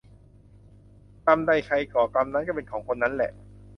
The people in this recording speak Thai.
กรรมใดใครก่อ กรรมนั้นก็เป็นของคนนั้นแหละ